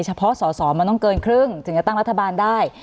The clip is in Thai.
เฉพาะสอสอมันต้องเกินครึ่งถึงจะตั้งรัฐบาลได้